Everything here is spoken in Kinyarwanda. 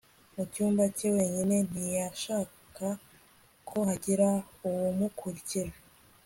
mu cyumba cye wenyine. ntiyashaka ko hagira uwumukurikira